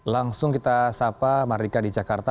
langsung kita sapa mardika di jakarta